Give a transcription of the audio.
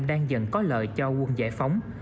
đang dần có lợi cho quân giải phóng